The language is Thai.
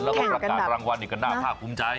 แล้วก็ประกาศรางวัลอยู่กันหน้าภาพภูมิใจ